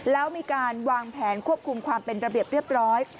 แล้วมีการวางแผนควบคุมความเป็นระเบียบเรียบร้อย